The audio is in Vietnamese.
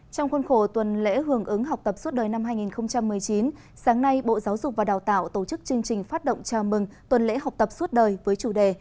trong khuôn khổ tuần lễ hưởng ứng học tập suốt đời năm hai nghìn một mươi chín sáng nay bộ giáo dục và đào tạo tổ chức chương trình phát động chào mừng tuần lễ học tập suốt đời với chủ đề